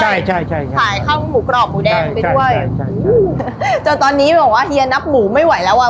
ใช่ใช่ใช่ขายข้าวหมูกรอบหมูแดงไปด้วยจนตอนนี้แบบว่าเฮียนับหมูไม่ไหวแล้วอ่ะ